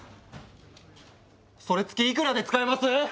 それ月いくらで使えます？